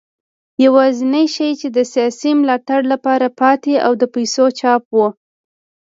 یوازینی شی چې د سیاسي ملاتړ لپاره پاتې و د پیسو چاپ و.